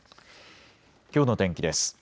きょうの天気です。